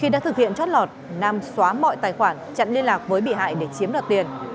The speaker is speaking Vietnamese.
khi đã thực hiện trót lọt nam xóa mọi tài khoản chặn liên lạc với bị hại để chiếm đoạt tiền